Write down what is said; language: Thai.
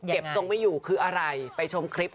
ตรงไม่อยู่คืออะไรไปชมคลิป